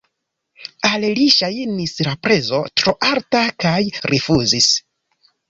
Al li ŝajnis la prezo tro alta kaj rifuzis.